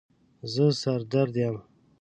زه سر درد یم